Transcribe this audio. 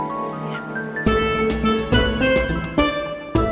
jalan dulu ann